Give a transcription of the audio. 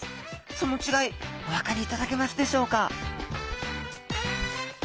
そのちがいお分かりいただけますでしょうか？